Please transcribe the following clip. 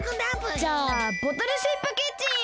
じゃあボトルシップキッチンへ！